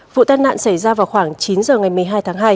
vụ tai nạn xảy ra vào khoảng chín giờ ngày một mươi hai tháng hai